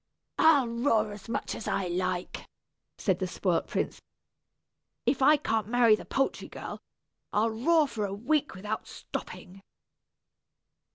"I'll roar as much as I like," said the spoiled prince. "If I can't marry the poultry girl, I'll roar for a week without stopping."